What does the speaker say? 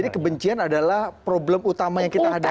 jadi kebencian adalah problem utama yang kita hadapi